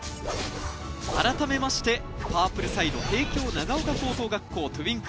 あらためましてパープルサイド帝京長岡高等学校ＴＷＩＮＫＬＥＳＢ。